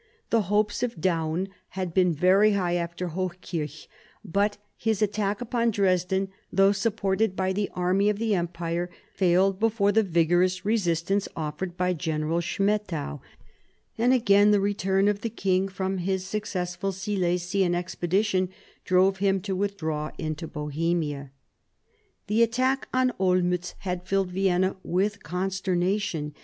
The hopes of Daun had been very high after Hochkirch ; but his attack upon Dresden, though supported by the army of the Empire, failed before the vigorous resistance offered by General Schmettau, and again the return of the king from his successful Silesian expedition drove him to withdraw into Bohemia. The attack on Olmiitz had filled Vienna with con sternation.